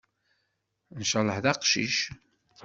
Nchallah d aqcic.